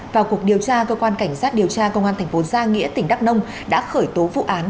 vào cuộc điều tra cơ quan cảnh sát điều tra công an thành phố gia nghĩa tỉnh đắk nông đã khởi tố vụ án